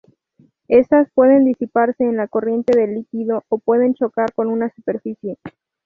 Estas pueden disiparse en la corriente del líquido o pueden chocar con una superficie.